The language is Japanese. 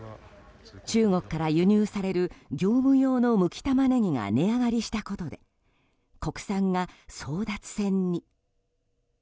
中国から輸入される業務用のむきタマネギが値上がりしたことで国産が争奪戦に。